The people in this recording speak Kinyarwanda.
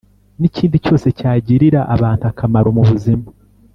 n’ikindi cyose cyagirira abantu akamaro mu buzima.